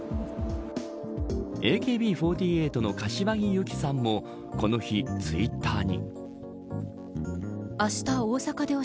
ＡＫＢ４８の柏木由紀さんもこの日、ツイッターに。